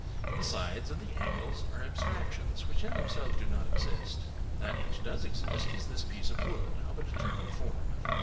The sides and the angles are abstractions which in themselves do not ex ist; that which does exist is this piece of wood of a determined form.